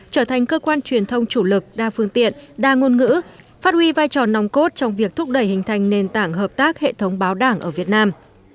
trở thành cơ quan truyền thông chủ lực đa phương tiện đa ngôn ngữ phát huy vai trò nòng cốt trong việc thúc đẩy hình thành nền tảng hợp tác hệ thống báo đảng ở việt nam